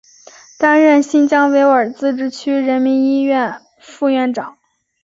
担任新疆维吾尔自治区人民医院副院长。